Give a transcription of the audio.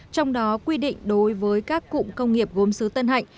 trong đó quy định đối với các cụm công nghiệp gốm xứ tân hạnh